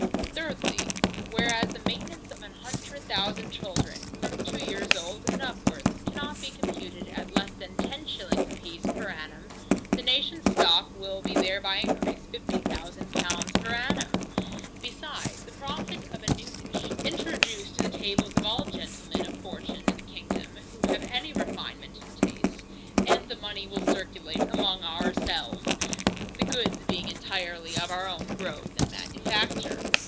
Thirdly, Whereas the maintainance of a hundred thousand children, from two years old, and upwards, cannot be computed at less than ten shillings a piece per annum, the nation's stock will be thereby encreased fifty thousand pounds per annum, besides the profit of a new dish, introduced to the tables of all gentlemen of fortune in the kingdom, who have any refinement in taste. And the money will circulate among our selves, the goods being entirely of our own growth and manufacture.